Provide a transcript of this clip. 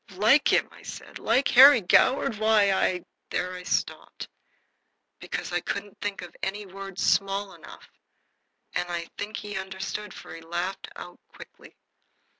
"Like him!" I said. "Like Harry Goward? Why, I " There I stopped, because I couldn't think of any word small enough, and I think he understood, for he laughed out quickly.